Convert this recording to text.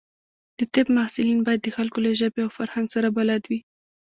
د طب محصلین باید د خلکو له ژبې او فرهنګ سره بلد وي.